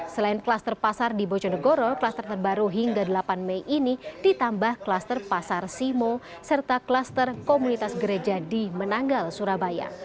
selain kluster pasar di bojonegoro kluster terbaru hingga delapan mei ini ditambah kluster pasar simo serta kluster komunitas gereja di menanggal surabaya